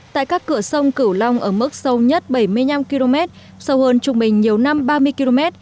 tại các cửa sông cửu long ở mức sâu nhất bảy mươi năm km sâu hơn trung bình nhiều năm ba mươi km